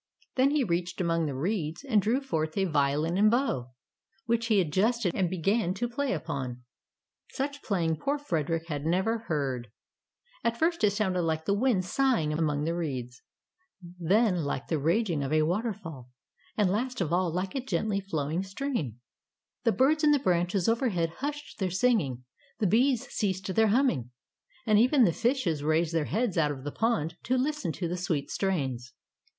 Then he reached among the reeds and drew forth a violin and bow, which he adjusted and began to play upon. Such playing poor Frederick had never Tales of Modern Germany 87 heard. At first it sounded like the wind sighing among the reeds, then like the rag ing of a waterfall, and last of all, like a gently flowing stream. The birds in the branches overhead hushed their singing; the bees ceased their humming, and even the fishes raised their heads out of the pond to listen to the sweet strains.